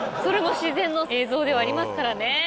それも自然の映像ではありますからね。